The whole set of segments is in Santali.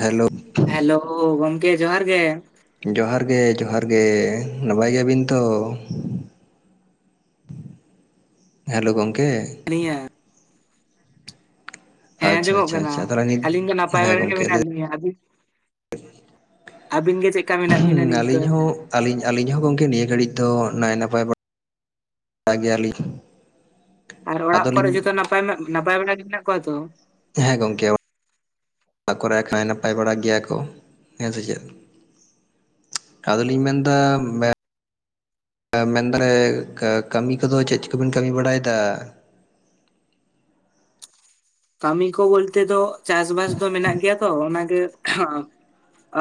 ᱦᱮᱞᱳ ᱦᱮᱞᱳ ᱜᱚᱝᱠᱮ ᱡᱚᱦᱟᱨ ᱜᱮ᱾ ᱡᱚᱦᱟᱨ ᱜᱮ ᱡᱚᱦᱟᱨ ᱜᱮ ᱱᱟᱯᱟᱭ ᱜᱮᱭᱟᱵᱤᱱ ᱛᱚ? ᱦᱮᱞᱳ ᱜᱚᱝᱠᱮ ᱛᱟᱞᱤᱧᱟ ᱦᱮᱸ ᱟᱪᱪᱷᱟ ᱟᱸᱡᱚᱢᱚᱜ ᱟᱪᱪᱷᱟ ᱠᱟᱱᱟ, ᱟᱪᱪᱷᱟ ᱛᱟᱦᱚᱞᱮ ᱱᱤᱛ ᱟᱹᱞᱤᱧ ᱫᱚ ᱱᱟᱯᱟᱭ ᱦᱮᱸ ᱵᱟᱲᱟ ᱜᱮ ᱜᱚᱢᱠᱮ ᱢᱮᱱᱟᱜ ᱞᱟᱹᱭ ᱞᱤᱧᱟᱹ᱾ ᱟᱵᱤᱱ? ᱟᱹᱵᱤᱱ ᱜᱮ ᱪᱮᱫᱠᱟ ᱢᱮᱱᱟᱜ ᱵᱤᱱᱟ ᱱᱤᱛ ᱫᱚ? ᱟᱞᱤᱧ ᱟᱞᱤᱧ ᱦᱚᱸ ᱜᱚᱝᱠᱮ ᱱᱤᱭᱟᱹ ᱜᱷᱟᱹᱲᱤᱡ ᱫᱚ ᱱᱟᱭ ᱱᱟᱯᱟᱭ ᱵᱟ [unintelligible] ᱜᱮᱭᱟᱞᱤᱧ ᱟᱨ ᱚᱲᱟᱜ ᱠᱚᱨᱮ ᱟᱫᱚᱞᱤᱧ ᱡᱚᱛᱚ ᱱᱟᱯᱟᱭ ᱢᱟ, ᱱᱟᱯᱟᱭ ᱵᱟᱲᱟ ᱜᱮ ᱢᱮᱱᱟᱜ ᱠᱚᱣᱟ ᱛᱚ? ᱦᱮᱸ ᱜᱚᱝᱠᱮ ᱚᱲᱟᱜ ᱠᱚᱨᱮ ᱦᱟᱸᱜ ᱠᱷᱟᱱ ᱱᱟᱯᱟᱭ ᱵᱟᱲᱟ ᱜᱮᱭᱟ ᱠᱚ, ᱦᱮᱸ ᱥᱮ ᱪᱮᱫ ᱟᱫᱚᱞᱤᱧ ᱢᱮᱱᱫᱟ ᱢᱮᱸ ᱢᱮᱱᱫᱟ ᱠᱟᱹᱢᱤ ᱠᱚᱫᱚ ᱪᱮᱫ ᱪᱮ ᱪᱮ ᱠᱚᱵᱤᱱ ᱠᱟᱹᱢᱤ ᱵᱟᱲᱟᱭᱮᱫᱟ ᱠᱟᱹᱢᱤ ᱠᱚ ᱵᱚᱞᱛᱮ ᱫᱚ ᱪᱟᱥᱵᱟᱥ ᱫᱚ ᱢᱮᱱᱟᱜ ᱜᱮᱭᱟ ᱛᱚ ᱚᱱᱟᱜᱮ ᱚ,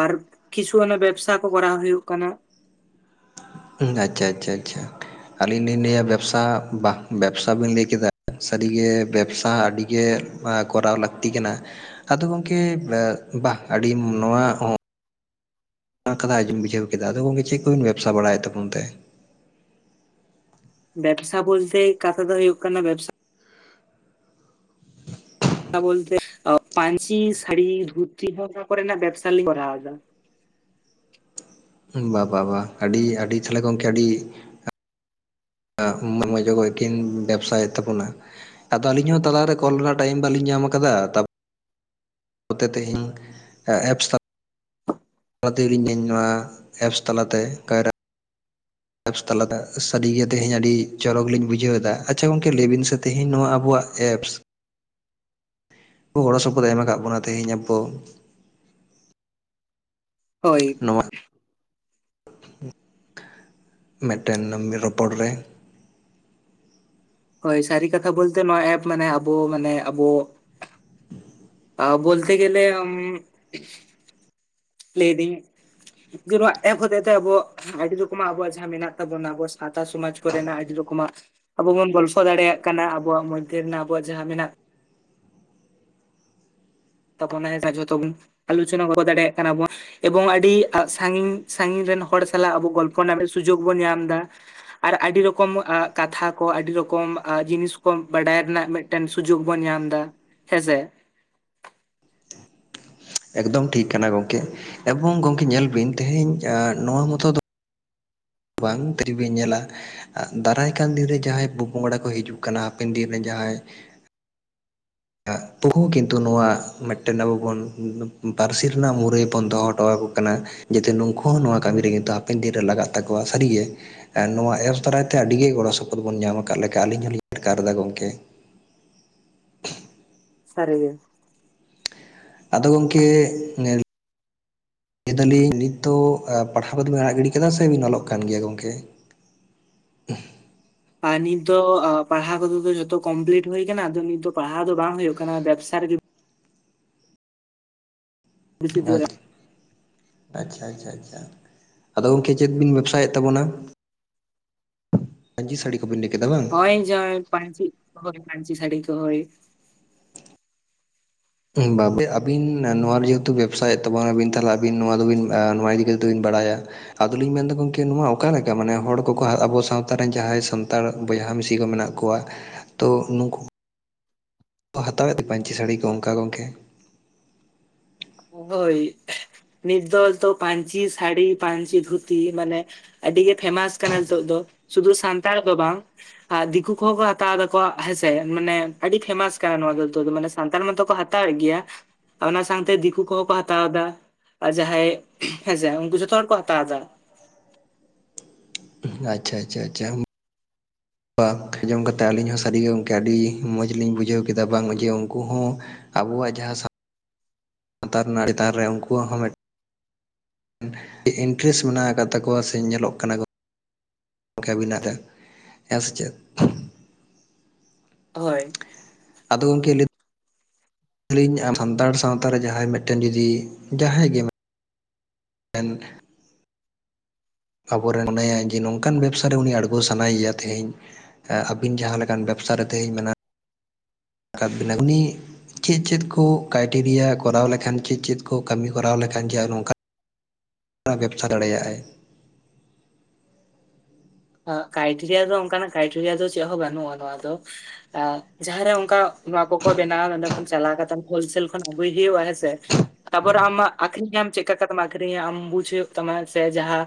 ᱟᱨ ᱠᱤᱪᱷᱩ ᱦᱟᱱᱟ ᱵᱮᱵᱥᱟ ᱠᱚ ᱠᱚᱨᱟᱣ ᱦᱩᱭᱩᱜ ᱠᱟᱱᱟ ᱟᱪᱪᱷᱟ ᱟᱪᱪᱷᱟ ᱟᱪᱪᱷᱟ ᱟᱪᱪᱷᱟ ᱟᱹᱞᱤᱧ ᱞᱤᱧ ᱞᱟᱹᱭᱟ ᱵᱮᱵᱽᱥᱟ ᱵᱟ ᱵᱮᱵᱽᱥᱟ ᱵᱤᱱ ᱞᱟᱹᱭ ᱠᱮᱫᱟ ᱥᱟᱹᱨᱤᱜᱮ ᱵᱮᱵᱽᱥᱟ ᱟᱹᱰᱤᱜᱮ ᱠᱚᱨᱟᱣ ᱞᱟᱹᱠᱛᱤ ᱠᱟᱱᱟ ᱟᱫᱚ ᱜᱚᱝᱠᱮ ᱮᱸ ᱵᱟ ᱟᱹᱰᱤ ᱱᱚᱣᱟ ᱦᱚᱸ ᱠᱟᱫᱟ, ᱟᱸᱡᱚᱢ ᱵᱩᱡᱷᱟᱹᱣ ᱠᱮᱫᱟ ᱟᱫᱚ ᱜᱚᱝᱠᱮ ᱪᱮᱫ ᱠᱚᱵᱤᱱ ᱵᱮᱵᱽᱥᱟ ᱵᱟᱲᱟᱭᱮᱫ ᱛᱟᱵᱚᱱ ᱛᱮ ᱵᱮᱵᱽᱥᱟ ᱵᱚᱞᱛᱮ ᱠᱟᱛᱷᱟ ᱫᱚ ᱦᱩᱭᱩᱜ ᱠᱟᱱᱟ ᱵᱮᱵᱽᱥᱟ ᱚ ᱵᱚᱞᱛᱮ ᱯᱟᱧᱪᱤ ᱥᱟᱹᱲᱤ ᱫᱷᱩᱛᱤ ᱦᱚᱸ ᱠᱚᱨᱮᱱᱟᱜ ᱵᱮᱵᱥᱟ ᱞᱤᱧ ᱠᱚᱨᱟᱣ ᱮᱫᱟ ᱵᱟ ᱵᱟ ᱵᱟ ᱟᱹᱰᱤ ᱟᱹᱰᱤ ᱛᱟᱦᱞᱮ ᱜᱚᱝᱠᱮ ᱟᱹᱰᱤ [unintelligible] ᱡᱚᱠᱷᱚᱡ ᱠᱤᱱ ᱵᱮᱵᱥᱟᱭᱮᱫ ᱛᱟᱵᱚᱱᱟ ᱟᱫᱚ ᱟᱹᱞᱤᱧ ᱦᱚᱸ ᱛᱟᱞᱟᱨᱮ ᱠᱳᱞ ᱨᱮᱱᱟᱜ ᱴᱟᱭᱤᱢ ᱵᱟᱹᱞᱤᱧ ᱧᱟᱢ ᱟᱠᱟᱫᱟ ᱱᱚᱛᱮ ᱛᱮᱦᱤᱧ ᱮᱯᱥ ᱛᱟᱼᱼ ᱚᱱᱟᱛᱮᱜᱮ ᱞᱤᱧ [unintelligible] ᱱᱚᱣᱟ ᱮᱯᱥ ᱛᱟᱞᱟᱛᱮ ᱠᱟᱭᱨᱟ ᱮᱯᱥ ᱛᱟᱞᱟᱛᱮ ᱥᱟᱹᱨᱤᱜᱮ ᱛᱮᱦᱮᱧ ᱟᱹᱰᱤ ᱪᱚᱨᱚᱠ ᱞᱤᱧ ᱵᱩᱡᱷᱟᱹᱣ ᱮᱫᱟ ᱟᱪᱪᱷᱟ ᱜᱚᱝᱠᱮ ᱞᱮᱟᱹᱭ ᱵᱤᱱ ᱥᱮ ᱛᱮᱦᱮᱧ ᱱᱚᱣᱟ ᱟᱵᱚᱣᱟᱜ ᱮᱯᱥ ᱜᱚᱲᱚ ᱥᱚᱯᱚᱦᱚᱫ ᱮᱢ ᱟᱠᱟᱫ ᱵᱚᱱᱟ ᱛᱮᱦᱤᱧ ᱟᱵᱚ ᱦᱳᱭ ᱱᱚᱣᱟ ᱢᱮᱫᱴᱮᱱ [unintelligible] ᱨᱚᱯᱚᱲ ᱨᱮ ᱦᱳᱭ ᱥᱟᱹᱨᱤ ᱠᱟᱛᱷᱟ ᱵᱚᱞᱛᱮ ᱱᱚᱣᱟ ᱮᱯ ᱢᱟᱱᱮ ᱟᱵᱚ ᱢᱟᱱᱮ ᱟᱵᱚ ᱟ ᱵᱚᱞᱛᱮ ᱜᱮᱞᱮ ᱟᱢ ᱞᱮᱭ ᱫᱤᱧ ᱡᱮ ᱱᱚᱣᱟ ᱮᱯ ᱦᱚᱛᱮ ᱛᱮ ᱟᱵᱚ ᱟᱹᱰᱤ ᱨᱚᱠᱚᱢᱟᱜ ᱟᱵᱚᱣᱟᱜ ᱡᱟᱦᱟᱸ ᱢᱮᱱᱟᱜ ᱛᱟᱵᱚᱱᱟ ᱟᱵᱚ ᱥᱟᱶᱛᱟ ᱥᱚᱢᱟᱡᱽ ᱠᱚᱨᱮᱱᱟᱜ ᱟᱹᱰᱤ ᱨᱚᱠᱚᱢᱟᱜ ᱟᱵᱚ ᱵᱚᱱ ᱜᱚᱞᱯᱷᱚ ᱫᱟᱲᱮᱭᱟᱜ ᱠᱟᱱᱟ ᱟᱵᱚᱣᱟᱜ ᱢᱚᱫᱽᱫᱷᱮ ᱨᱮᱱᱟᱜ ᱟᱵᱚᱣᱟᱜ ᱡᱟᱦᱟᱸ ᱢᱮᱱᱟᱜ [unintelligible] ᱡᱷᱚᱛᱚ ᱵᱚᱱ ᱟᱞᱩᱪᱚᱱᱟ ᱵᱟᱵᱚ ᱫᱟᱲᱮᱭᱟᱜ ᱠᱟᱱᱟ ᱵᱚᱱ᱾ ᱮᱵᱚᱝ ᱟᱹᱰᱤ ᱥᱟᱺᱜᱤᱧ ᱥᱟᱺᱜᱤᱧ ᱨᱮᱱ ᱦᱚᱲ ᱥᱟᱞᱟᱜ ᱟᱵᱚ ᱜᱚᱞᱯᱷᱚ ᱨᱮᱱᱟᱜ ᱥᱩᱡᱚᱜᱽ ᱵᱚᱱ ᱧᱟᱢ ᱮᱫᱟ ᱟᱨ ᱟᱹᱰᱤ ᱨᱚᱠᱚᱢ ᱮᱸᱻ ᱠᱟᱛᱷᱟ ᱠᱚ ᱟᱹᱰᱤ ᱨᱚᱠᱚᱢ ᱡᱤᱱᱤᱥ ᱠᱚ ᱵᱟᱰᱟᱭ ᱨᱮᱱᱟᱜ ᱢᱤᱫᱼᱼ ᱢᱤᱫᱴᱮᱱ ᱥᱩᱡᱚᱜᱽ ᱵᱚᱱ ᱧᱟᱢ ᱮᱫᱟ ᱦᱮᱸᱥᱮ ᱮᱠᱫᱚᱢ ᱴᱷᱤᱠ ᱠᱟᱱᱟ ᱜᱚᱝᱠᱮ ᱮᱵᱚᱝ ᱜᱚᱢᱠᱮ ᱧᱮᱞ ᱵᱤᱱ ᱛᱮᱦᱮᱧ ᱮᱸᱻ ᱱᱚᱣᱟ ᱢᱚᱛᱚ ᱫᱚ ᱵᱟᱝ ᱠᱟᱹᱴᱤᱡ ᱵᱤᱱ ᱧᱮᱞᱟ ᱫᱟᱨᱟᱭ ᱠᱟᱱ ᱫᱤᱱᱨᱮ ᱡᱟᱦᱟᱸᱭ ᱯᱚᱼᱯᱚᱝᱲᱟ ᱠᱚ ᱦᱤᱡᱩᱜ ᱠᱟᱱᱟ ᱦᱟᱯᱮᱱ ᱫᱤᱱ ᱨᱮᱱ ᱡᱟᱦᱟᱸᱭ [unintelligible] ᱠᱤᱱᱛᱩ ᱱᱚᱣᱟ ᱢᱤᱫᱴᱮᱱ ᱟᱵᱚ ᱵᱚᱱ ᱯᱟᱹᱨᱥᱤ ᱨᱮᱱᱟᱜ ᱢᱩᱨᱟᱹᱭ ᱵᱚᱱ ᱫᱚᱦᱚ ᱦᱚᱴᱚ ᱟᱠᱚ ᱠᱟᱱᱟ ᱡᱟᱛᱮ ᱱᱩᱠᱩ ᱦᱚᱸ ᱱᱚᱣᱟ ᱠᱟᱹᱢᱤ ᱨᱮ ᱠᱤᱱᱛᱩ ᱦᱟᱯᱮᱱ ᱫᱤᱱ ᱨᱮ ᱞᱟᱜᱟᱜ ᱛᱟᱠᱚᱣᱟ ᱥᱟᱹᱨᱤ ᱜᱮ ᱱᱚᱣᱟ ᱮᱯᱥ ᱫᱟᱨᱟᱭ ᱛᱮ ᱟᱹᱰᱤ ᱜᱮ ᱜᱚᱲᱚ ᱥᱚᱯᱚᱦᱚᱫ ᱵᱚᱱ ᱧᱟᱢ ᱟᱠᱟᱫ ᱞᱮᱠᱟ ᱟᱹᱞᱤᱧ ᱦᱚᱸᱞᱤᱧ ᱟᱴᱠᱟᱨ ᱮᱫᱟ ᱜᱚᱝᱠᱮ ᱥᱟᱹᱨᱤ ᱜᱮ ᱟᱫᱚ ᱜᱚᱢᱠᱮ [unintelligible] ᱞᱟᱹᱭ ᱫᱟᱹᱞᱤᱧ ᱱᱤᱛ ᱫᱚ ᱯᱟᱲᱦᱟᱣ ᱠᱚᱫᱚ ᱵᱤᱱ ᱟᱲᱟᱜ ᱜᱤᱰᱤ ᱟᱠᱟᱫᱟ ᱥᱮᱵᱤᱱ ᱚᱞᱚᱜ ᱠᱟᱱ ᱜᱮᱭᱟ ᱜᱚᱝᱠᱮ ᱟᱨ ᱱᱤᱛ ᱫᱚ ᱯᱟᱲᱦᱟᱣ ᱠᱚᱫᱚ ᱡᱚᱛᱚ ᱠᱚᱢᱯᱤᱞᱴ ᱦᱩᱭ ᱟᱠᱟᱱᱟ ᱟᱫᱚ ᱱᱤᱛ ᱫᱚ ᱯᱟᱲᱦᱟᱣ ᱫᱚ ᱵᱟᱝ ᱦᱩᱭᱩᱜ ᱠᱟᱱᱟ ᱵᱮᱵᱽᱥᱟ ᱨᱮᱜᱮ ᱵᱮᱥᱤ ᱡᱳᱨ [inaudible] ᱟᱪᱪᱷᱟ ᱟᱪᱪᱷᱟ ᱟᱪᱷᱟ ᱟᱫᱚ ᱜᱚᱝᱠᱮ ᱪᱮᱫ ᱵᱤᱱ ᱵᱮᱵᱽᱥᱟᱭᱮᱫ ᱛᱟᱵᱚᱱᱟ ᱯᱟᱹᱧᱪᱤ ᱥᱟᱹᱲᱤ ᱠᱚ ᱵᱤᱱ ᱞᱟᱹᱭ ᱠᱮᱫᱟ ᱵᱟᱝ ᱦᱚᱸᱜ-ᱚᱭ ᱡᱮ ᱯᱟᱹᱧᱪᱤᱜ ᱯᱟᱹᱧᱪᱤ ᱥᱟᱹᱲᱤ ᱠᱚ ᱦᱚᱭ᱾ [inaudible] [unintelligible] ᱟᱹᱵᱤᱱ ᱱᱚᱣᱟ ᱡᱮᱦᱮᱛᱩ ᱵᱮᱵᱽᱥᱟᱭᱮᱫ ᱛᱟᱵᱚᱱ ᱟᱹᱵᱤᱱ ᱛᱟᱦᱞᱮ ᱟᱹᱵᱤᱱ ᱱᱚᱣᱟ ᱫᱚᱵᱤᱱ ᱱᱚᱣᱟ ᱤᱫᱤ ᱠᱟᱛᱮᱜ ᱫᱚᱵᱤᱱ ᱵᱟᱲᱟᱭᱟ ᱟᱫᱚ ᱞᱤᱧ ᱢᱮᱱᱫᱟ ᱜᱚᱢᱠᱮ ᱱᱚᱣᱟ ᱚᱠᱟ ᱞᱮᱠᱟ ᱢᱟᱱᱮ ᱦᱚᱲ ᱠᱚᱠᱚ ᱟᱵᱚ ᱥᱟᱶᱛᱟ ᱨᱮᱱ ᱡᱟᱦᱟᱸᱭ ᱥᱟᱱᱛᱟᱲ ᱵᱚᱭᱦᱟ ᱢᱤᱥᱤ ᱠᱚ ᱢᱮᱱᱟᱜ ᱠᱚᱣᱟ ᱠᱚᱣᱟᱜ ᱛᱚ ᱱᱩᱠᱩᱼᱼ ᱦᱟᱛᱟᱣᱮᱫ ᱛᱮ ᱯᱟᱹᱧᱪᱤ ᱥᱟᱹᱲᱤ ᱠᱚ ᱚᱱᱠᱟ ᱜᱚᱢᱠᱮ ᱦᱚᱭ ᱱᱤᱛ ᱫᱚ [unintelligible] ᱯᱟᱹᱧᱪᱤ ᱥᱟᱹᱲᱤ ᱯᱟᱹᱧᱪᱤ ᱫᱷᱩᱛᱤ ᱢᱟᱱᱮ ᱟᱹᱰᱤ ᱜᱮ ᱯᱷᱮᱢᱟᱥ ᱠᱟᱱᱟ ᱱᱤᱛᱚᱜ ᱫᱚ ᱥᱩᱫᱷᱩ ᱥᱟᱱᱛᱟᱲ ᱫᱚ ᱵᱟᱝ ᱫᱤᱠᱩ ᱠᱚᱦᱚᱸ ᱠᱚ ᱦᱟᱛᱟᱣ ᱫᱟ ᱠᱚᱣᱟᱜ ᱦᱮᱸᱥᱮ ᱢᱟᱱᱮ ᱟᱹᱰᱤ ᱯᱷᱮᱢᱟᱥ ᱠᱟᱱᱟ ᱱᱚᱣᱟ ᱫᱚ ᱢᱟᱱᱮ ᱥᱟᱱᱛᱟᱲ ᱢᱟᱛᱚ ᱠᱚ ᱦᱟᱼᱼ ᱦᱟᱛᱟᱣᱮᱫ ᱜᱮᱭᱟ ᱚᱱᱟ ᱥᱟᱶᱛᱮ ᱫᱤᱠᱩ ᱠᱩ ᱠᱚᱦᱚᱸ ᱠᱚ ᱦᱟᱛᱟᱣ ᱮᱫᱟ ᱟᱨ ᱡᱟᱦᱟᱸᱭ ᱦᱮᱸᱥᱮ ᱩᱱᱠᱩ ᱡᱷᱚᱛᱚ ᱦᱚᱲ ᱠᱚ ᱦᱟᱛᱟᱣ ᱮᱫᱟ ᱟᱪᱪᱷᱟ ᱟᱪᱪᱷᱟ ᱟᱪᱪᱷᱟ [unintelligible] ᱟᱸᱡᱚᱢ ᱠᱟᱛᱮᱫ ᱟᱹᱞᱤᱧ ᱦᱚᱸ ᱥᱟᱹᱨᱤ ᱜᱮ ᱜᱚᱢᱠᱮ ᱟᱹᱰᱤ ᱢᱚᱸᱡᱽ ᱞᱤᱧ ᱵᱩᱡᱷᱟᱹᱣ ᱠᱮᱫᱟ ᱵᱟᱝ ᱡᱮ ᱩᱱᱠᱩ ᱦᱚᱸ ᱟᱵᱚᱣᱟᱜ ᱡᱟᱦᱟᱸ ᱥᱟᱶᱛᱟ ᱨᱮᱱᱟᱜ ᱪᱮᱛᱟᱱ ᱨᱮ ᱩᱱᱠᱩᱣᱟᱜ ᱦᱚᱸ ᱢᱤᱫᱼᱼ ᱤᱱᱴᱟᱨᱮᱥᱴ ᱢᱮᱱᱟᱜ ᱟᱠᱟᱫ ᱛᱟᱠᱚᱣᱟ ᱥᱮ ᱧᱮᱞᱚᱜ ᱠᱟᱱᱟ ᱠᱚ ᱚᱱᱠᱟ [unintelligible] ᱦᱮᱸ ᱥᱮ ᱪᱮᱫ ᱦᱳᱭ ᱟᱫᱚ ᱜᱚᱢᱠᱮ ᱞᱟᱹᱭᱼᱼ ᱟᱹᱞᱤᱧ ᱟ ᱥᱟᱱᱛᱟᱲ ᱥᱟᱶᱛᱟ ᱨᱮ ᱡᱟᱦᱟᱸᱭ ᱢᱤᱫᱴᱮᱱ ᱡᱩᱫᱤ ᱡᱟᱦᱟᱸᱭ ᱜᱮ ᱮᱱ ᱟᱵᱚᱨᱮᱱ ᱢᱟᱱᱮ ᱡᱮ ᱱᱚᱝᱠᱟᱱ ᱵᱮᱵᱽᱥᱟ ᱨᱮ ᱩᱱᱤ ᱟᱬᱜᱚ ᱥᱟᱱᱟᱭᱮᱭᱟ ᱛᱮᱦᱮᱧ ᱟᱹᱵᱤᱱ ᱡᱟᱦᱟᱸ ᱞᱮᱠᱟᱱ ᱵᱮᱵᱽᱥᱟ ᱨᱮ ᱛᱮᱦᱤᱧ ᱢᱮᱱᱟᱜ ᱢᱮᱱᱟᱜ ᱟᱠᱟᱫᱵᱤᱱᱟ ᱩᱱᱤ ᱪᱮᱫ ᱪᱮᱫ ᱠᱚ ᱠᱟᱭᱴᱮᱨᱤᱭᱟ ᱠᱚᱨᱟᱣ ᱞᱮᱠᱷᱟᱱ ᱪᱮᱫ ᱪᱮᱫ ᱠᱚ ᱠᱟᱹᱢᱤ ᱠᱚᱨᱟᱣ ᱞᱮᱠᱷᱟᱱ ᱡᱮ ᱟᱨ ᱱᱚᱝᱠᱟ ᱵᱮᱵᱽᱥᱟ ᱫᱟᱲᱮᱭᱟᱜᱼᱟᱭ ᱠᱟᱭᱴᱮᱨᱤᱭᱟ ᱫᱚ ᱚᱱᱠᱟᱱᱟᱜ ᱠᱟᱭᱴᱮᱨᱤᱭᱟ ᱫᱚ ᱪᱮᱫ ᱦᱚᱸ ᱵᱟᱹᱱᱩᱜᱼᱟ ᱱᱚᱣᱟ ᱫᱚ ᱮ ᱡᱟᱦᱟᱸᱨᱮ ᱚᱱᱠᱟ ᱱᱚᱣᱟ ᱠᱚᱠᱚ ᱵᱮᱱᱟᱣᱟ ᱱᱚᱰᱮ ᱠᱷᱚᱱ ᱪᱟᱞᱟᱣ ᱠᱟᱛᱮ ᱦᱳᱞ ᱥᱮᱞ ᱠᱷᱚᱱ ᱟᱹᱜᱩᱭ ᱦᱩᱭᱩᱜᱼᱟ ᱦᱮᱸᱥᱮ ᱛᱟᱯᱚᱨ ᱟᱢᱟᱜ ᱟᱠᱷᱨᱤᱧᱮᱢ ᱪᱮᱫ ᱞᱮᱠᱟ ᱠᱟᱛᱮᱢ ᱟᱠᱷᱨᱤᱧᱟ ᱟᱢ ᱵᱩᱡᱷ ᱦᱩᱭᱩᱜ ᱛᱟᱢᱟ ᱥᱮ ᱡᱟᱦᱟᱸ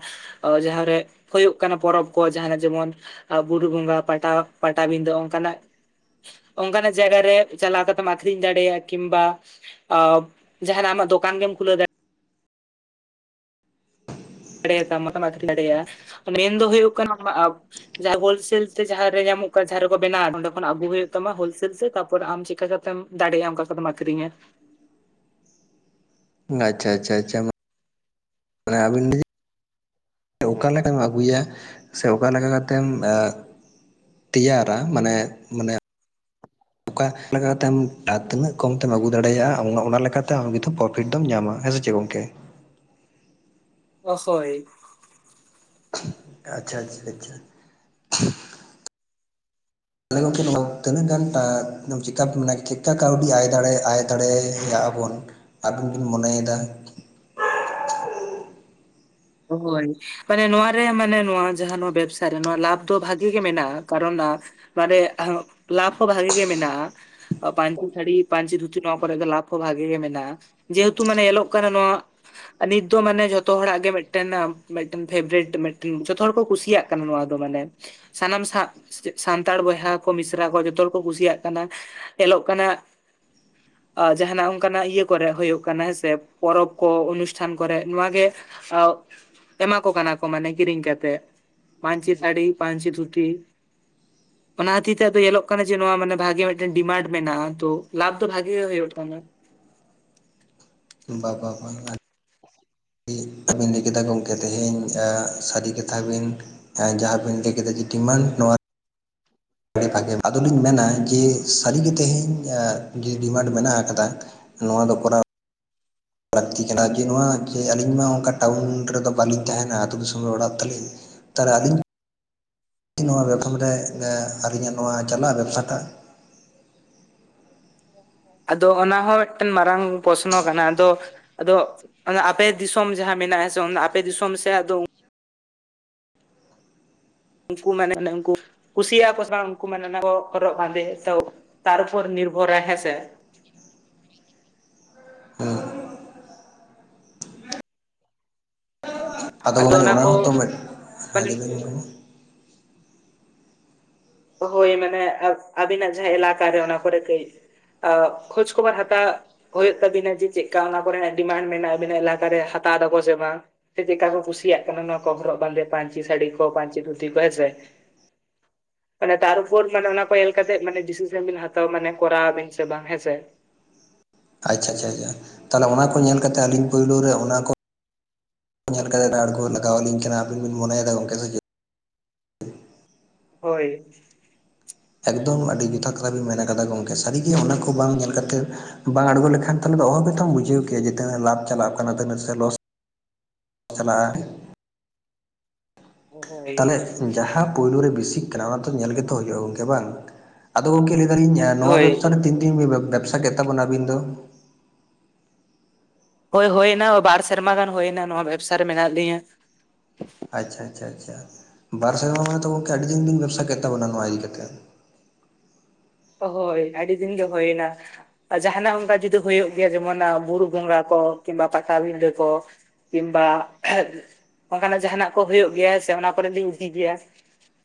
ᱡᱟᱦᱟᱸᱨᱮ ᱦᱩᱭᱩᱜ ᱠᱟᱱᱟ ᱯᱚᱨᱚᱵᱽ ᱠᱚ ᱡᱟᱦᱟᱱᱟᱜ ᱡᱮᱢᱚᱱ ᱵᱩᱨᱩ ᱵᱚᱸᱜᱟ ᱯᱟᱴᱟ ᱯᱟᱴᱟᱵᱤᱸᱫᱟᱹ ᱚᱱᱠᱟᱱᱟᱜ ᱚᱱᱠᱟᱱᱟᱜ ᱡᱟᱭᱜᱟ ᱨᱮ ᱪᱟᱞᱟᱣ ᱠᱟᱛᱮᱢ ᱟᱠᱷᱨᱤᱧ ᱫᱟᱲᱮᱭᱟᱜᱼᱟ ᱠᱤᱝᱵᱟ ᱟ ᱡᱟᱦᱱᱟᱜ ᱟᱢᱟᱜ ᱫᱚᱠᱟᱱ ᱜᱮᱢ ᱠᱷᱩᱞᱟᱹᱣ ᱫᱟᱲᱮᱭᱟᱜᱼᱟ ᱫᱟᱲᱮ ᱭᱟᱛᱟᱢᱟ ᱢᱟ ᱛᱚᱢ ᱟᱠᱷᱨᱤᱧ ᱫᱟᱨᱮᱭᱟᱜᱟᱼᱟ ᱢᱮᱱ ᱫᱚ ᱦᱩᱭᱩᱜ ᱠᱟᱱᱟ ᱡᱟᱦᱟᱸ ᱦᱳᱞᱥᱮᱞ ᱛᱮ ᱡᱟᱦᱟᱸᱨᱮ ᱧᱟᱢᱚᱜ ᱠᱟᱱ ᱡᱟᱦᱟᱸᱟᱸ ᱨᱮᱠᱚ ᱵᱮᱱᱟᱣᱟ ᱚᱸᱰᱮ ᱠᱷᱚᱱ ᱟᱹᱜᱩ ᱦᱩᱭᱩᱜ ᱛᱟᱢᱟ ᱦᱳᱞᱥᱮᱞ ᱛᱮ ᱛᱟᱨᱯᱚᱨ ᱟᱢ ᱪᱤᱠᱟ ᱠᱟᱛᱮ ᱮᱢ ᱫᱟᱲᱮᱭᱟᱜᱼᱟ ᱚᱱᱠᱟ ᱠᱟᱛᱮᱢ ᱟᱠᱷᱨᱤᱧ ᱤᱧᱟ ᱟᱪᱪᱷᱟ ᱟᱪᱪᱷᱟ ᱟᱪᱪᱷᱟ ᱟᱵᱤᱱ ᱚᱠᱟᱮ ᱞᱮᱠᱟᱢ ᱟᱹᱜᱩᱭᱟ ᱥᱮ ᱚᱠᱟ ᱞᱮᱠᱟ ᱠᱟᱛᱮᱢ ᱛᱮᱭᱟᱨᱟ ᱢᱟᱱᱮ ᱢᱟᱱᱮ ᱚᱠᱟ ᱞᱮᱠᱟ ᱠᱟᱛᱮ ᱛᱤᱱᱟᱹᱜ ᱠᱚᱢ ᱛᱮᱢ ᱟᱹᱜᱩ ᱫᱟᱲᱮᱭᱟᱜᱼᱟ ᱚᱱᱟ ᱞᱮᱠᱟᱛᱮ ᱟᱢ ᱫᱚ ᱠᱤᱱᱛᱩ ᱯᱨᱚᱯᱷᱤᱴ ᱫᱚᱢ ᱧᱟᱢᱟ ᱦᱮᱸ ᱥᱮ ᱪᱮᱫ ᱜᱚᱝᱠᱮ ᱚᱵᱚᱥᱥᱚᱭ ᱟᱪᱪᱷᱟ ᱟᱪᱪᱷᱟ ᱟᱪᱪᱷᱟ ᱛᱟᱦᱚᱞᱮ ᱜᱚᱢᱠᱮ ᱱᱚᱣᱟ ᱛᱤᱱᱟᱹᱜ ᱜᱟᱱ ᱪᱮᱠᱟ ᱢᱟᱱᱮᱮ ᱪᱮᱠᱟ ᱠᱟᱹᱣᱰᱤ ᱟᱭ ᱫᱟᱲᱮᱭᱟᱜ-ᱟᱭ ᱫᱟᱲᱮᱭᱟᱜᱼᱟ ᱵᱚᱱ ᱟᱵᱤᱱ ᱵᱤᱱ ᱢᱚᱱᱮᱭᱮᱫᱟ ᱦᱳᱭ ᱢᱟᱱᱮ ᱱᱚᱣᱟᱣᱟ ᱨᱮ ᱢᱟᱱᱮ ᱱᱚᱣᱟ ᱡᱟᱦᱟᱸ ᱱᱚᱣᱟ ᱵᱮᱵᱥᱟ ᱨᱮ ᱱᱚᱣᱟ ᱞᱟᱵᱷ ᱫᱚ ᱵᱷᱟᱜᱤ ᱜᱮ ᱢᱮᱱᱟᱜᱼᱟ ᱠᱟᱨᱚᱱ ᱢᱟᱱᱮ ᱞᱟᱵᱷ ᱦᱚᱸ ᱵᱷᱟᱜᱤ ᱜᱮ ᱢᱮᱱᱟᱜᱼᱟ ᱯᱟᱧᱪᱤ ᱥᱟᱹᱲᱤ ᱯᱟᱧᱪᱤ ᱫᱷᱩᱛᱤ ᱱᱚᱣᱟ ᱠᱚᱨᱮᱫᱚ ᱞᱟᱯᱷ ᱦᱚᱸ ᱵᱷᱟᱜᱮ ᱜᱮ ᱢᱮᱱᱟᱜᱼᱟ ᱡᱮᱦᱮᱛᱩ ᱢᱟᱱᱮ ᱧᱮᱞᱚᱜ ᱠᱟᱱᱟ ᱱᱚᱣᱟ ᱱᱤᱛ ᱫᱚ ᱢᱟᱱᱮ ᱡᱷᱚᱛᱚ ᱦᱚᱲᱟᱜ ᱜᱮ ᱢᱤᱫᱴᱮᱱ ᱢᱤᱫᱴᱮᱱ ᱯᱷᱮᱵᱽᱨᱮᱴ ᱡᱚᱛᱚ ᱦᱚᱲ ᱠᱚ ᱠᱩᱥᱤᱭᱟᱜ ᱠᱟᱱᱟ ᱱᱚᱣᱟ ᱫᱚ ᱢᱟᱱᱮ ᱥᱟᱱᱟᱢ ᱥᱟᱱᱛᱟᱲ ᱵᱚᱭᱦᱟ ᱠᱚ ᱢᱤᱥᱨᱟ ᱠᱚ ᱡᱚᱛᱚ ᱦᱚᱲ ᱠᱚ ᱠᱩᱥᱤᱭᱟᱜ ᱠᱟᱱᱟ ᱧᱮᱞᱚᱜ ᱠᱟᱱᱟ [inaudible] ᱡᱟᱦᱱᱟᱜ ᱚᱱᱠᱟᱱᱟᱜ ᱤᱭᱟᱹ ᱠᱚᱨᱮ ᱦᱩᱭᱩᱜ ᱠᱟᱱᱟᱸ ᱥᱮᱮ ᱯᱚᱨᱚᱵᱽ ᱠᱚ ᱚᱱᱩᱥᱴᱷᱟᱱ ᱠᱚᱨᱮ ᱱᱚᱣᱟ ᱜᱮ [unintelligible] ᱮᱢᱟ ᱠᱚ ᱠᱟᱱᱟ ᱠᱚ ᱢᱟᱱᱮ ᱠᱤᱨᱤᱧ ᱠᱟᱛᱮᱜ ᱯᱟᱹᱧᱪᱤ ᱥᱟᱹᱲᱤ ᱯᱟᱹᱧᱪᱤ ᱫᱷᱩᱛᱤ [inaudible] ᱚᱱᱟ ᱠᱷᱚᱛᱤᱨ ᱛᱮ ᱟᱫᱚ ᱧᱮᱞᱚᱜ ᱠᱟᱱᱟ ᱡᱮ ᱱᱚᱣᱟ ᱢᱟᱱᱮ ᱵᱷᱟᱜᱮ ᱢᱤᱫᱴᱟᱝ ᱰᱤᱢᱟᱱᱰ ᱢᱮᱱᱟᱜᱼᱟ ᱛᱚ ᱞᱟᱵᱷ ᱫᱚ ᱵᱷᱟᱜᱮ ᱜᱮ ᱦᱩᱭᱩᱜ ᱠᱟᱱᱟ᱾ ᱵᱟᱝ ᱵᱟᱝ ᱤᱧ ᱟᱵᱤᱱ ᱞᱟᱹᱭ ᱠᱮᱫᱟ ᱜᱚᱝᱠᱮ ᱛᱮᱦᱮᱧ ᱥᱟᱹᱨᱤ ᱠᱟᱛᱷᱟ ᱵᱤᱱ ᱡᱟᱦᱟᱸ ᱵᱤᱱ ᱞᱟᱹᱭ ᱠᱮᱫᱟ ᱰᱤᱢᱟᱱᱰ ᱱᱚᱣᱟ ᱵᱷᱟᱜᱮ ᱟᱫᱚᱞᱤᱧ ᱢᱮᱱᱟ ᱡᱮ ᱥᱟᱹᱨᱤᱜᱮ ᱛᱮᱦᱮᱧ ᱡᱮ ᱰᱤᱢᱟᱱᱰ ᱢᱮᱱᱟᱜ ᱟᱠᱟᱫᱟ ᱱᱚᱣᱟ ᱫᱚ ᱠᱚᱨᱟᱣ ᱞᱟᱹᱠᱛᱤ ᱠᱟᱱᱟ ᱡᱮ ᱱᱚᱣᱟ ᱡᱮ ᱟᱹᱞᱤᱧ ᱢᱟ ᱚᱱᱠᱟ ᱴᱟᱣᱩᱱ ᱨᱮᱫᱚ ᱵᱟᱹᱞᱤᱧ ᱛᱟᱦᱮᱱᱟ ᱟᱹᱛᱩ ᱫᱤᱥᱚᱢ ᱨᱮ ᱚᱲᱟᱜ ᱛᱟᱹᱞᱤᱧ᱾ ᱛᱟᱦᱚᱞᱮ ᱟᱹᱞᱤᱧ ᱱᱚᱣᱟ ᱵᱮᱵᱽᱥᱟ ᱢᱟᱱᱮ ᱟᱹᱞᱤᱧᱟᱜ ᱱᱚᱣᱟ ᱪᱟᱞᱟᱜ ᱵᱮᱵᱽᱥᱟᱴᱟᱜ [inaudible] ᱟᱫᱚ ᱚᱱᱟ ᱦᱚᱸ ᱢᱤᱫᱴᱟᱝ ᱢᱟᱨᱟᱝ ᱯᱨᱚᱥᱱᱚ ᱠᱟᱱᱟ ᱟᱫᱚ ᱟᱫᱚ ᱚᱱᱟ ᱟᱯᱮ ᱫᱤᱥᱚᱢ ᱡᱟᱦᱟᱸ ᱢᱮᱱᱟᱜᱼᱟ ᱦᱮᱸ ᱥᱮ ᱚᱱᱟ ᱟᱯᱮ ᱫᱤᱥᱚᱢ ᱥᱮ ᱫᱚ ᱩᱱᱠᱩ ᱢᱟᱱᱮ ᱚᱱᱮ ᱩᱱᱠᱩ ᱠᱩᱥᱤᱭᱟᱜ ᱟᱠᱚ ᱥᱮ ᱵᱟᱝ ᱩᱱᱠᱩ ᱢᱟᱱᱮ ᱚᱱᱟ ᱠᱚ ᱦᱚᱨᱚᱜ ᱵᱟᱸᱫᱮ ᱛᱚ ᱛᱟᱨᱯᱚᱨ ᱱᱤᱨᱵᱷᱚᱨᱟᱭ ᱦᱮᱸ ᱥᱮ ᱟᱫᱚ ᱜᱚᱢᱠᱮ ᱚᱱᱟ ᱦᱚᱸᱛᱚ ᱢᱤᱫ ᱦᱮᱸ ᱞᱟᱹᱭ ᱢᱟᱱᱮ ᱵᱤᱱ ᱜᱟᱢᱠᱮ ᱦᱳᱭ ᱢᱟᱱᱮ ᱟᱹᱵᱤᱱᱟᱜ ᱡᱟᱦᱟᱸ ᱮᱞᱟᱠᱟ ᱚᱱᱟ ᱠᱚᱨᱮ ᱠᱟᱹᱡ ᱦᱮᱸ ᱠᱷᱳᱡᱽ ᱠᱷᱚᱵᱚᱨ ᱦᱟᱛᱟᱣ ᱦᱳᱭᱳ ᱛᱟᱵᱤᱱᱟ ᱡᱮ ᱪᱮᱫ ᱞᱮᱠᱟ ᱚᱱᱟ ᱠᱚᱨᱮᱱᱟᱜ ᱰᱤᱢᱟᱱᱰ ᱢᱮᱱᱟᱜᱼᱟ ᱟᱵᱤᱱᱟᱜ ᱮᱞᱟᱠᱟᱨᱮ ᱦᱟᱛᱟᱣ ᱮᱫᱟᱠᱚ ᱥᱮ ᱵᱟᱝ? ᱥᱮ ᱪᱮᱫ ᱞᱮᱠᱟ ᱠᱚ ᱠᱩᱥᱤᱭᱟᱜ ᱠᱟᱱᱟ ᱱᱚᱣᱟ ᱠᱚ ᱦᱚᱨᱚᱜ ᱵᱟᱸᱫᱮ ᱯᱟᱹᱧᱪᱤ ᱥᱟᱹᱲᱤ ᱠᱚ ᱯᱟᱹᱧᱤ ᱫᱷᱩᱛᱤ ᱠᱚ ᱦᱮᱸᱥᱮ ᱢᱟᱱᱮ ᱛᱟᱨᱯᱚᱨ ᱢᱟᱱᱮ ᱚᱱᱟ ᱠᱚ ᱧᱮᱞ ᱠᱟᱛᱮᱜ ᱢᱟᱱᱮ ᱰᱤᱥᱤᱡᱟᱱ ᱵᱤᱱ ᱦᱟᱛᱣᱟ ᱢᱟᱱᱮ ᱠᱚᱨᱟᱣ ᱟᱵᱤᱱ ᱥᱮ ᱵᱟᱝ ᱦᱮᱸᱥᱮ! ᱟᱪᱷᱟ ᱟᱪᱷᱟ ᱟᱪᱷᱟ ᱛᱟᱦᱚᱞᱮ ᱚᱱᱟ ᱠᱚ ᱧᱮᱞ ᱠᱟᱛᱮ ᱟᱞᱤᱧ ᱯᱩᱭᱞᱩ ᱨᱮ ᱚᱱᱟ ᱧᱮᱞ ᱠᱟᱛᱮ ᱨᱟᱲ ᱠᱚ ᱞᱟᱜᱟᱣ ᱟᱞᱤᱧ ᱠᱟᱱᱟ ᱟᱵᱤᱱ ᱵᱤᱱ ᱢᱚᱱᱮ ᱮᱫᱟ ᱜᱚᱝᱠᱮ ᱥᱮ ᱪᱮᱫ ᱦᱳᱭ ᱮᱜᱽᱫᱚᱢ ᱟᱹᱰᱤ ᱡᱚᱛᱷᱟᱛ ᱠᱟᱛᱷᱟ ᱵᱤᱱ ᱢᱮᱱ ᱠᱟᱫᱟ ᱜᱚᱢᱠᱮ ᱥᱟᱹᱨᱤᱜᱮ ᱚᱱᱟ ᱠᱚ ᱵᱟᱝ ᱧᱮᱞ ᱠᱟᱛᱮᱫ ᱵᱟᱝ ᱟᱬᱜᱚ ᱞᱮᱠᱷᱟᱱ ᱫᱚ ᱚᱦᱚᱸ ᱜᱮᱛᱚᱢ ᱵᱩᱡᱷᱟᱹᱣ ᱠᱮᱭᱟ ᱡᱮ ᱛᱤᱱᱟᱹᱜ ᱞᱟᱵᱷ ᱪᱟᱞᱟᱜ ᱠᱟᱱᱟ ᱛᱤᱱᱟᱹᱜ ᱞᱚᱥ ᱪᱟᱞᱟᱜᱼᱟ᱾ ᱦᱳᱭ ᱦᱳᱭ ᱛᱟᱦᱚᱞᱮ ᱡᱟᱦᱟᱸ ᱯᱩᱞᱩ ᱨᱮ ᱵᱮᱥᱤᱜ ᱠᱟᱱᱟ ᱚᱱᱟ ᱛᱚ ᱧᱮᱞ ᱜᱮᱛᱚ ᱦᱩᱭᱩᱜᱼᱟ ᱜᱚᱝᱮ ᱵᱟᱝ ᱟᱫᱚ ᱜᱚᱝᱠᱮ ᱞᱟᱹᱭ ᱮᱫᱟᱞᱤᱧ ᱱᱚᱣᱟ ᱦᱳᱭ ᱵᱮᱵᱽᱥᱟᱨᱮ ᱦᱳᱭ ᱛᱤᱱ ᱫᱤᱱ ᱵᱤᱱ ᱵᱮᱵᱽᱥᱟ ᱠᱮᱫ ᱛᱟᱵᱚᱱᱟ ᱟᱹᱵᱤᱱ ᱫᱚ? ᱦᱳᱭ ᱦᱳᱭ ᱮᱱᱟ ᱵᱟᱨ ᱥᱮᱨᱢᱟ ᱜᱟᱱ ᱦᱩᱭ ᱮᱱᱟ ᱱᱚᱣᱟ ᱵᱮᱵᱽᱥᱟ ᱨᱮ ᱢᱮᱱᱟᱜ ᱞᱤᱧᱟ᱾ ᱟᱪᱷᱟ ᱟᱪᱷᱟ ᱟᱪᱷᱟ ᱵᱟᱨ ᱥᱮᱨᱢᱟ ᱢᱟᱱᱮ ᱛᱚ ᱜᱚᱝᱠᱮ ᱟᱹᱰᱤ ᱫᱤᱱ ᱵᱤᱱ ᱵᱮᱵᱽᱥᱟ ᱠᱮᱫ ᱛᱟᱵᱚᱱᱟ ᱱᱚᱣᱟ ᱤᱫᱤ ᱠᱟᱛᱮᱫ᱾ ᱦᱳᱭ ᱟᱹᱰᱤ ᱫᱤᱱ ᱜᱮ ᱦᱳᱭᱮᱱᱟ᱾ ᱟᱨ ᱡᱟᱦᱟᱸᱱᱟᱜ ᱚᱱᱠᱟ ᱡᱩᱫᱤ ᱦᱩᱭᱩᱜ ᱜᱮᱭᱟ ᱡᱮᱢᱚᱱ ᱵᱩᱲᱩ ᱵᱚᱝᱜᱟ ᱠᱚ ᱠᱤᱝᱵᱟ [unintelligible] ᱯᱟᱴᱟᱵᱤᱸᱫᱷᱟᱹ ᱠᱚ᱾ ᱠᱤᱝᱵᱟ ᱚᱱᱠᱟᱱᱟᱜ ᱡᱟᱦᱟᱸᱱᱟᱜ ᱠᱚ ᱦᱩᱭᱩᱜ ᱜᱮᱭᱟ ᱥᱮ ᱚᱱᱟ ᱠᱚᱨᱮ ᱞᱤᱧ ᱤᱫᱤ ᱜᱮᱭᱟ᱾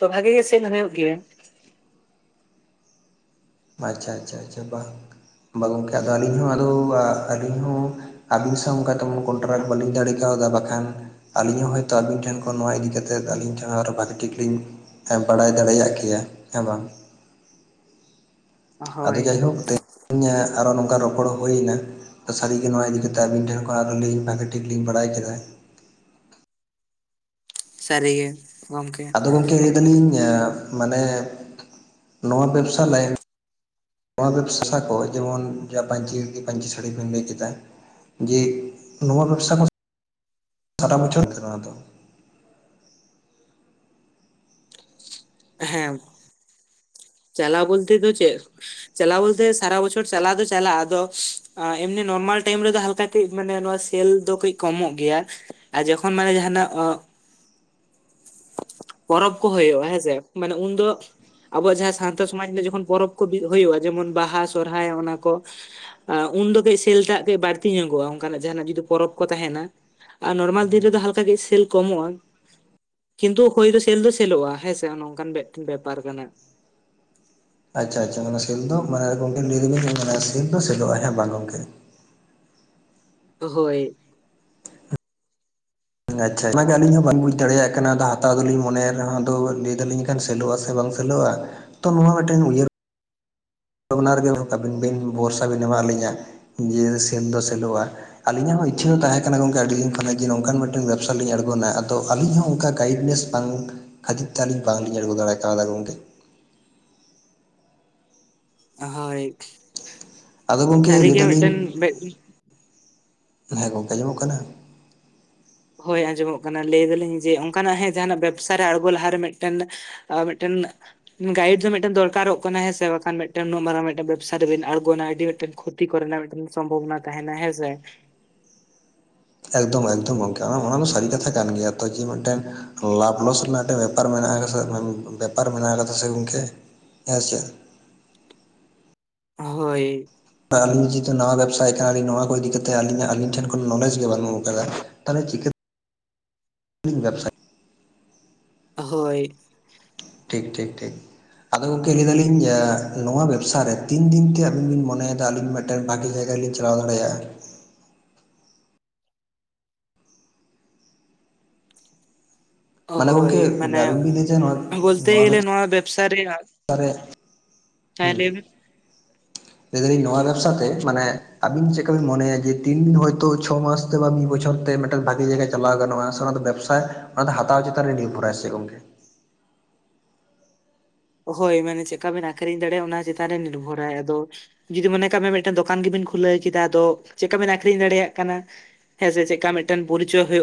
ᱛᱚ ᱵᱷᱟᱜᱮ ᱜᱮ ᱥᱮᱹᱞ ᱦᱩᱭᱩᱜ ᱜᱮᱭᱟ᱾ ᱟᱪᱷᱟ ᱟᱪᱷᱟ ᱟᱪᱷᱟ ᱵᱟᱦ ᱵᱟᱦ ᱜᱚᱝᱠᱮ ᱟᱫᱚ ᱟᱹᱞᱤᱧ ᱦᱚᱸ ᱟᱫᱚ ᱟᱹᱞᱤᱧ ᱦᱚᱸ ᱚᱱᱠᱟ ᱛᱮᱢᱚᱱ ᱠᱚᱱᱴᱨᱟᱠᱴ ᱵᱟᱹᱞᱤᱧ ᱫᱟᱲᱮ ᱠᱟᱣᱫᱟ ᱵᱟᱠᱷᱟᱱ ᱟᱹᱞᱤᱧ ᱦᱚᱸ ᱦᱳᱭᱛᱚ ᱟᱹᱵᱤᱱ ᱴᱷᱮᱱ ᱠᱷᱚᱱ ᱱᱚᱣᱟ ᱤᱫᱤ ᱠᱟᱛᱮᱫ ᱟᱹᱞᱤᱧ ᱴᱷᱮᱱ ᱟᱨᱦᱚᱸ ᱵᱷᱟᱹᱜᱤ ᱴᱷᱤᱠ ᱞᱤᱧ ᱵᱟᱲᱟᱭ ᱫᱟᱲᱮᱭᱟᱜ ᱠᱮᱭᱟ ᱦᱮᱸ ᱵᱟᱝ᱾ ᱟᱫᱚ ᱦᱳᱭ ᱡᱟᱭᱦᱳᱠ ᱛᱮᱦᱮᱧ ᱟᱨᱦᱚ ᱱᱚᱝᱠᱟ ᱨᱚᱯᱚᱲ ᱦᱩᱭᱮᱱᱟ᱾ ᱥᱟᱹᱨᱤᱜᱮ ᱱᱚᱣᱟ ᱤᱫᱤ ᱠᱟᱛᱮᱫ ᱟᱵᱤᱱ ᱴᱷᱮᱱ ᱠᱷᱚᱱ ᱟᱨᱦᱚ ᱞᱤᱧ ᱵᱷᱟᱜᱮ ᱴᱷᱤᱠ ᱞᱤᱧ ᱵᱟᱲᱟᱭ ᱠᱮᱫᱟ᱾ ᱥᱟᱹᱨᱜᱮ ᱜᱚᱢᱠᱮ᱾ ᱜᱚᱢᱠᱮ ᱞᱟᱹᱭ ᱮᱫᱟᱞᱤᱧ ᱢᱟᱱᱮ ᱱᱚᱣᱟ ᱵᱮᱵᱽᱥᱟ ᱞᱟᱭᱤᱱ ᱱᱚᱣᱟ ᱵᱮᱵᱽᱥᱟ ᱠᱚ ᱡᱮᱢᱚᱱ ᱡᱟᱦᱟᱸ ᱯᱟᱹᱧᱪᱤ ᱫᱷᱩᱛᱤ ᱯᱟᱹᱧᱪᱤ ᱥᱟᱹᱲᱤ ᱵᱮᱱ ᱞᱟᱹᱭ ᱠᱮᱫᱟ᱾ ᱡᱮ ᱱᱚᱣᱟ ᱵᱮᱵᱽᱥᱟ ᱠᱚ [inaudible] ᱥᱟᱨᱟ ᱵᱚᱪᱷᱚᱨ ᱠᱟᱱᱟ ᱛᱚ᱾ ᱦᱮᱸ᱾ ᱪᱟᱞᱟᱣ ᱵᱚᱞᱛᱮ ᱫᱚ ᱪᱮᱫ ᱪᱟᱞᱟᱣ ᱵᱚᱞᱛᱮ ᱥᱟᱨᱟ ᱵᱚᱪᱷᱚᱨ ᱪᱟᱞᱟᱣ ᱫᱚ ᱪᱟᱞᱟᱜᱼᱟ ᱟᱫᱚ ᱮᱢᱱᱤ ᱱᱳᱨᱢᱟᱞ ᱴᱟᱭᱤᱢ ᱨᱮᱫᱚ ᱦᱟᱞᱠᱟ ᱠᱟᱹᱡ ᱢᱟᱱᱮ ᱱᱚᱣᱟ ᱥᱮᱞ ᱫᱚ ᱠᱟᱹᱡ ᱠᱚᱢᱚᱜ ᱜᱮᱭᱟ᱾ ᱟᱨ ᱡᱚᱠᱷᱚᱱ ᱢᱟᱱᱮ ᱡᱟᱦᱟᱸᱱᱟᱜ ᱚᱸᱜ [unintelligible] ᱯᱚᱨᱚᱵ ᱠᱚ ᱦᱳᱭᱳᱜᱼᱟ ᱦᱮᱸᱥᱮ ᱢᱟᱱᱮ ᱩᱱᱫᱚ ᱟᱵᱚᱣᱟᱜ ᱡᱟᱦᱟᱸ ᱥᱟᱶᱛᱟ ᱥᱚᱢᱟᱡᱽ ᱨᱮ ᱡᱚᱠᱷᱚᱱ ᱯᱚᱨᱚᱵᱽ ᱠᱚ ᱦᱩᱭᱩᱜᱼᱟ ᱡᱮᱢᱚᱱ ᱵᱟᱦᱟ ᱥᱚᱨᱦᱟᱭ ᱚᱱᱟ ᱠᱚ ᱩᱱᱫᱚ ᱠᱟᱹᱡ ᱥᱮᱞᱴᱟᱜ ᱠᱟᱹᱡ ᱵᱟᱹᱲᱛᱤ ᱧᱚᱜᱚᱜᱼᱟ ᱚᱱᱠᱟᱱᱟᱜ ᱡᱟᱦᱟᱸᱱᱟᱜ ᱡᱩᱫᱤ ᱯᱚᱨᱚᱵᱽ ᱠᱚ ᱛᱟᱦᱮᱱᱟ ᱟᱨ ᱱᱳᱨᱢᱟᱞ ᱫᱤᱱ ᱨᱮᱫᱚ ᱦᱟᱞᱠᱟ ᱜᱮ ᱥᱮᱹᱞ ᱠᱚᱢᱚᱜᱼᱟ᱾ ᱠᱤᱱᱛᱩ [inaudible] ᱫᱚ ᱥᱮᱞ ᱫᱚ ᱥᱮᱞᱚᱜᱼᱟ ᱦᱮᱸᱥᱮ ᱱᱚᱝᱠᱟᱱ ᱢᱤᱫᱴᱮᱱ ᱵᱮᱯᱟᱨ ᱠᱟᱱᱟ ᱟᱪᱷᱟ ᱟᱪᱷᱟ ᱚᱱᱟ ᱥᱤᱞ ᱫᱚ ᱢᱟᱱᱮ ᱜᱚᱢᱠᱮ ᱞᱟᱹᱭ [inaudible] ᱚᱱᱟ ᱥᱮᱞ ᱫᱚ ᱥᱮᱞᱚᱜᱼᱟ ᱦᱮᱸ ᱵᱟᱝ ᱜᱚᱝᱠᱮ ᱦᱳᱭ ᱟᱪᱷᱟ ᱚᱱᱟ ᱜᱮ ᱟᱹᱞᱤᱧ ᱦᱚᱸ ᱵᱟᱞᱤᱧ ᱵᱩᱡ ᱫᱟᱲᱮᱭᱟᱜ ᱠᱟᱱᱟ ᱦᱟᱛᱟᱣ ᱫᱚᱞᱤᱧ ᱢᱚᱱᱮ ᱮᱫᱟ ᱦᱟᱸᱜ ᱞᱟᱹᱭ ᱫᱟᱞᱤᱧ ᱥᱮᱞᱚᱜᱼᱟ ᱥᱮ ᱵᱟᱝ ᱥᱮᱞᱳᱜᱼᱟ ᱛᱚ ᱱᱚᱣᱟ ᱢᱤᱫᱴᱟᱝ ᱩᱭᱦᱟᱹᱨ ᱚᱱᱟ ᱨᱮᱜᱮ ᱟᱹᱵᱤᱱ ᱵᱤᱱ ᱵᱷᱚᱨᱥᱟ ᱵᱤᱱ ᱮᱢᱟᱞᱤᱧᱟ ᱡᱮ ᱥᱮᱞ ᱫᱚ ᱥᱮᱞᱚᱜᱼᱟ ᱟᱹᱞᱤᱧᱟᱜ ᱦᱚᱸ ᱤᱪᱪᱷᱟᱹ ᱫᱚ ᱛᱟᱦᱮᱸ ᱠᱟᱱᱟ ᱜᱚᱝᱠᱮ ᱟᱹᱰᱤ ᱫᱤᱱ ᱠᱷᱚᱱᱟᱜ ᱡᱮ ᱱᱚᱝᱠᱟᱱ ᱢᱤᱫᱴᱮᱱ ᱵᱮᱵᱽᱥᱟ ᱞᱤᱧ ᱟᱬᱜᱚᱱᱟ ᱟᱫᱚ ᱟᱹᱞᱤᱧ ᱦᱚᱸ ᱚᱱᱠᱟ ᱜᱟᱭᱤᱰ ᱞᱤᱧ ᱵᱟᱝ ᱠᱷᱟᱹᱛᱤᱨ ᱛᱮ ᱟᱹᱞᱤᱧ ᱵᱟᱝᱞᱤᱧ ᱟᱬᱜᱚ ᱫᱟᱲᱮ ᱠᱟᱣᱫᱟ ᱜᱚᱝᱠᱮ ᱦᱳᱭ ᱟᱫᱚ ᱜᱚᱝᱠᱮ ᱥᱟᱹᱨᱤ ᱞᱟᱹᱭ ᱜᱮ ᱫᱟᱞᱤᱧ ᱢᱤᱫᱴᱮᱱ [unintelligible] ᱦᱮᱸ ᱜᱚᱝᱠᱮ ᱟᱸᱡᱚᱢᱚᱜ ᱠᱟᱱᱟ ᱦᱳᱭ ᱟᱸᱡᱚᱢᱚᱜ ᱠᱟᱱᱟ ᱞᱟᱹᱭ ᱫᱟᱞᱤᱧ ᱡᱮ ᱚᱱᱠᱟᱱᱟᱜ ᱦᱮᱸ ᱡᱟᱦᱟᱸᱱᱟᱜ ᱵᱮᱵᱽᱥᱟ ᱨᱮ ᱟᱬᱜᱚ ᱞᱟᱦᱟᱨᱮ ᱢᱤᱫᱴᱮᱱ ᱟᱨ ᱢᱤᱫᱴᱮᱱ ᱜᱟᱭᱤᱰ ᱫᱚ ᱢᱤᱫᱴᱮᱱ ᱫᱚᱨᱠᱟᱨᱚᱜ ᱠᱟᱱᱟ ᱦᱮᱸ ᱥᱮ ᱵᱟᱝᱠᱷᱟᱱ ᱵᱟᱝᱠᱷᱟᱱ ᱢᱤᱫ ᱴᱮᱱ ᱢᱟᱨᱟᱝ ᱢᱤᱫ ᱴᱮᱱ ᱵᱮᱵᱽᱥᱟ ᱨᱮᱵᱮᱱ ᱟᱬᱜᱚᱱᱟ ᱟᱹᱰᱤ ᱢᱤᱫᱴᱮᱱ ᱛᱤ ᱠᱚᱨᱮᱱᱟᱜ ᱢᱤᱫᱴᱟᱝ ᱥᱚᱢᱵᱷᱚᱵᱽᱱᱟ ᱛᱟᱦᱮᱱᱟ ᱦᱮᱸᱥᱮ ᱮᱜᱽᱫᱚᱢ ᱮᱜᱽᱫᱚᱢ ᱜᱚᱢᱠᱮ ᱚᱱᱟ ᱚᱱᱟ ᱫᱚ ᱥᱟᱹᱨᱤ ᱠᱟᱛᱷᱟ ᱠᱟᱱ ᱜᱮᱭᱟ ᱛᱚ ᱡᱮ ᱢᱤᱫᱴᱮᱱ ᱞᱟᱵᱷ ᱞᱚᱥ ᱨᱮᱱᱟᱜ ᱢᱤᱫᱴᱮᱱ ᱵᱮᱯᱟᱨ ᱢᱮᱱᱟᱜ ᱟᱠᱟᱫᱟ ᱵᱮᱯᱟᱨ ᱢᱮᱱᱟᱜ ᱟᱠᱟᱫᱟ ᱥᱮᱸ ᱜᱚᱢᱠᱮ᱾ ᱦᱮᱸ ᱥᱮᱸ? ᱦᱳᱭ ᱟᱹᱞᱤᱧᱟᱜ ᱡᱮᱛᱩ ᱱᱟᱣᱟ ᱵᱮᱵᱥᱟᱭ ᱠᱟᱱᱟᱞᱤᱧ ᱱᱚᱣᱟ ᱠᱚ ᱤᱫᱤ ᱠᱟᱛᱮ ᱟᱞᱤᱧᱟᱜ ᱟᱹᱞᱤᱧ ᱴᱷᱮᱱ ᱠᱷᱚᱱ ᱱᱚᱞᱮᱡ ᱜᱮ ᱵᱟᱹᱱᱩᱜ ᱟᱠᱟᱫᱟ᱾ ᱛᱟᱦᱚᱞᱮ ᱪᱤᱠᱟᱹ ᱛᱮᱵᱤᱱ ᱵᱮᱵᱥᱟᱭᱟ᱾ ᱦᱳᱭ ᱴᱷᱤᱠ ᱴᱷᱤᱠ ᱴᱷᱤᱠ ᱟᱫᱚ ᱜᱚᱢᱠᱮ ᱞᱟᱹᱭ ᱮᱫᱟᱞᱤᱧ ᱱᱚᱣᱟ ᱵᱮᱵᱥᱟ ᱨᱮ ᱛᱤᱱ ᱫᱤᱱ ᱛᱮ ᱟᱵᱤᱱ ᱵᱤᱱ ᱢᱚᱱᱮ ᱠᱟᱫ ᱟᱹᱞᱤᱧ ᱢᱟ ᱵᱷᱟᱜᱤ ᱡᱟᱭᱜᱟ ᱨᱮᱞᱤᱧ ᱪᱟᱞᱟᱣ ᱫᱟᱲᱮᱭᱟᱜᱼᱟ᱾ ᱚ ᱢᱟᱱᱮ ᱦᱳᱭ ᱜᱚᱝᱠᱮ ᱢᱟᱱᱮ ᱟᱹᱵᱤᱱ ᱵᱤᱱ ᱞᱟᱹᱭ ᱫᱟ ᱱᱚᱣᱟ ᱵᱚᱞᱛᱮ ᱜᱮᱞᱮ ᱱᱚᱣᱟ ᱵᱮᱵᱥᱟ ᱨᱮᱭᱟᱜ [inaudible] ᱦᱩᱸ ᱞᱟᱹᱭ ᱫᱟᱞᱤᱧ ᱱᱚᱣᱟ ᱵᱮᱵᱥᱟ ᱛᱮ ᱢᱟᱱᱮ ᱟᱵᱤᱱ ᱪᱮᱫ ᱞᱮᱠᱟᱵᱤᱱ ᱢᱚᱱᱮᱭᱟ ᱡᱮ ᱛᱤᱱ ᱫᱤᱱ ᱦᱚᱭᱛᱚ ᱪᱷᱚ ᱢᱟᱥ ᱢᱤᱫ ᱵᱚᱪᱷᱚᱨ ᱛᱮ ᱢᱤᱫᱴᱟᱝ ᱵᱷᱟᱜᱤ ᱡᱟᱭᱜᱟ ᱪᱟᱞᱟᱣ ᱜᱟᱱᱚᱜᱼᱟ, ᱥᱮ ᱚᱱᱟ ᱫᱚ ᱵᱮᱵᱽᱥᱟᱭ ᱚᱱᱟ ᱫᱚ ᱦᱟᱛᱟᱣ ᱪᱮᱛᱟᱱ ᱨᱮ ᱱᱤᱨᱵᱷᱚᱨᱟᱭ ᱥᱮ ᱜᱚᱝᱠᱮ? ᱦᱳᱭ ᱢᱟᱱᱮ ᱪᱮᱠᱟ ᱵᱮᱱ ᱟᱠᱷᱨᱤᱧ ᱫᱟᱲᱮᱭᱟᱜᱼᱟ ᱚᱱᱟ ᱪᱮᱛᱟᱱ ᱨᱮ ᱱᱤᱨᱵᱷᱚᱨᱟᱭ, ᱟᱫᱚ ᱡᱩᱫᱤ ᱢᱚᱱᱮ ᱠᱟᱜ ᱵᱤᱱ ᱢᱤᱫᱴᱮᱱ ᱫᱚᱠᱟᱱ ᱜᱮᱵᱤᱱ ᱠᱷᱩᱞᱟᱹᱣ ᱠᱮᱫᱟ ᱟᱫᱚ ᱪᱮᱫᱠᱟ ᱵᱤᱱ ᱟᱠᱷᱨᱤᱧ ᱫᱟᱲᱮᱭᱟᱜ ᱠᱟᱱᱟ᱾ ᱦᱮᱸ ᱥᱮ ᱪᱮᱠᱟ ᱢᱤᱫᱴᱟᱝ ᱯᱚᱨᱤᱪᱚᱭ ᱦᱳᱭᱳᱜ